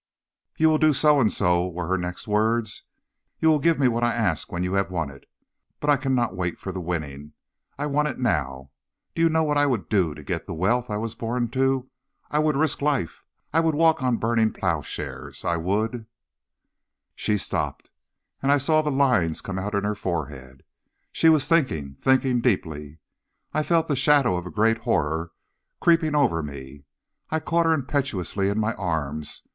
"'You will do so and so,' were her next words. 'You will give me what I ask when you have won it. But I cannot wait for the winning; I want it now. Do you know what I would do to get the wealth I was born to? I would risk life! I would walk on burning plowshares! I would ' "She stopped, and I saw the lines come out in her forehead. She was thinking thinking deeply. I felt the shadow of a great horror creeping over me. I caught her impetuously in my arms.